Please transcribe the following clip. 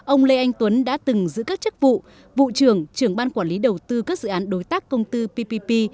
ông lê anh tuấn đã từng giữ các chức vụ vụ trưởng trưởng ban quản lý đầu tư các dự án đối tác công tư ppp